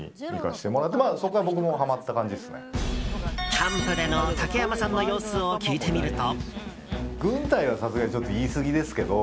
キャンプでの竹山さんの様子を聞いてみると。